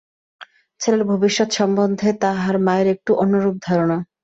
ছেলের ভবিষ্যৎ সম্বন্ধে তাহার মায়ের একটু অন্যরূপ ধারণা।